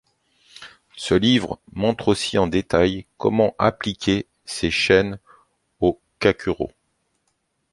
Ce livre montre aussi en détail comment appliquer ces chaînes au Kakuro.